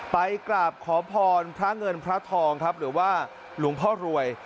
ไปกราบขอพรพระเงินพระทองครับหรือว่าหลวงพ่อรวย